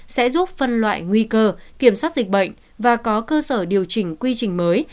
sẽ giúp phân loại nguy cơ kiểm soát dịch bệnh và có cơ sở điều chỉnh quy trình mới